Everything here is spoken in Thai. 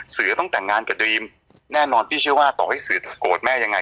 เสือต้องแต่งงานกับดรีมแน่นอนพี่เชื่อว่าต่อให้สื่อโกรธแม่ยังไง